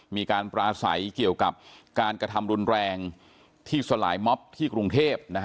มีการปราศัยเกี่ยวกับการกระทำรุนแรงที่สลายม็อบที่กรุงเทพ